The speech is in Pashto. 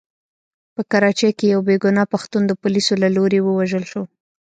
په کراچۍ کې يو بې ګناه پښتون د پوليسو له لوري ووژل شو.